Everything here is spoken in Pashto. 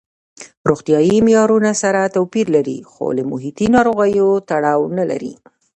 روغتیايي معیارونه سره توپیر لري خو له محیطي ناروغیو تړاو نه لري.